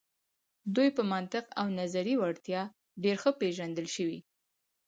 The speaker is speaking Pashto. دوی په منطق او نظري وړتیا ډیر ښه پیژندل شوي.